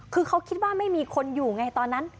คือเขาคิดว่าไม่มีคนอยู่ไงตอนนั้น